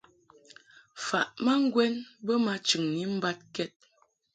Faʼ ma ŋgwɛn bə ma chɨŋni mbad kɛd.